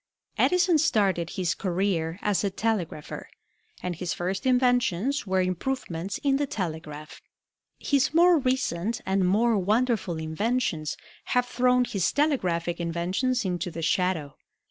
Edison started his career as a telegrapher, and his first inventions were improvements in the telegraph. His more recent and more wonderful inventions have thrown his telegraphic inventions into the shadow.